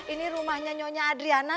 ini rumah nyonya adriana